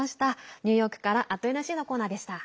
ニューヨークから「＠ｎｙｃ」のコーナーでした。